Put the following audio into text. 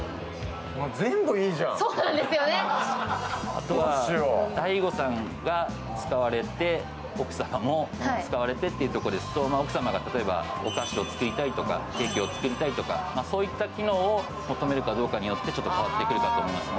あとはＤＡＩＧＯさんが使われて、奥様も使われてというとこですと、奥様が例えばお菓子を作りたいとか、ケーキを作りたいとか、そういった機能を求めるかどうかによって変わってきます。